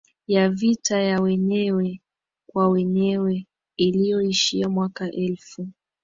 ya vita ya wenyewe kwa wenyewe iliyoishia mwaka elfu